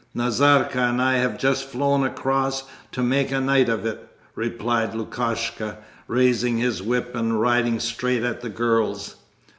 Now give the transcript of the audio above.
'Nazarka and I have just flown across to make a night of it,' replied Lukashka, raising his whip and riding straight at the girls.